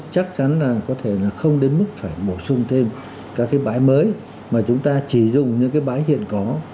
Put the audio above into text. chắc chắn là có thể là không đến mức phải bổ sung thêm các cái bãi mới mà chúng ta chỉ dùng những cái bãi hiện có